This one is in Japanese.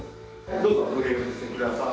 どうぞご入浴してください。